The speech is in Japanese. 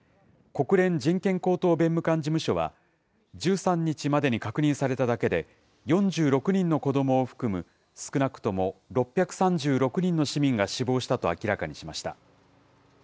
国連人権高等弁務官事務所は、１３日までに確認されただけで、４６人の子どもを含む少なくとも６３６人の市民が死亡したと明らかにしました。